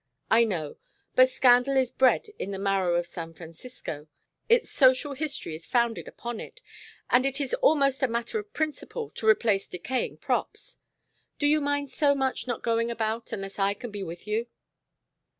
"I know. But scandal is bred in the marrow of San Francisco. Its social history is founded upon it, and it is almost a matter of principle to replace decaying props. Do you mind so much not going about unless I can be with you?"